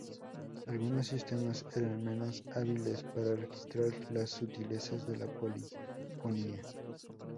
Algunos sistemas eran menos hábiles para registrar las sutilezas de la polifonía.